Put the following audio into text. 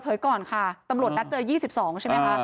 ก่อนค่ะตำรวจนัดเจอ๒๒ใช่ไหมคะ